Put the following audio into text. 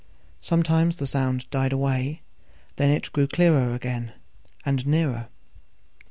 Sometimes the sound died away, then it grew clearer again and nearer.